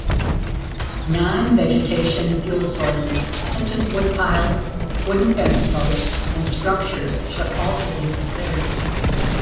Non-vegetation fuel sources such as woodpiles, wooden fenceposts and structures should also be considered.